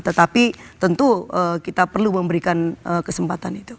tetapi tentu kita perlu memberikan kesempatan itu